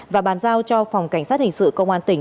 và bàn giao cho phòng cảnh sát hình sự công an tỉnh